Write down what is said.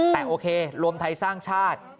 แต่โอเครวมไทยสร้างชาติ